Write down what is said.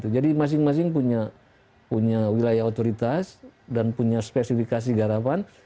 jadi masing masing punya wilayah otoritas dan punya spesifikasi garapan